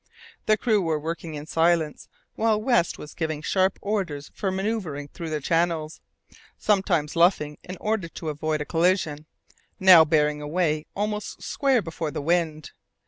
The crew were working in silence, whilst West was giving sharp short orders for manoeuvring through the channels, sometimes luffing in order to avoid a collision, now bearing away almost square before the wind.